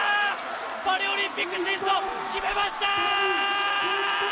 パリオリンピック出場を決めました！